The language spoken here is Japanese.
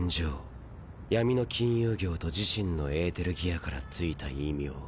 闇の金融業と自身のエーテルギアから付いた異名。